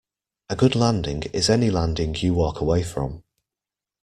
A good landing is any landing you walk away from.